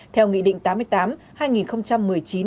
theo nghị định tám mươi tám hai nghìn một mươi chín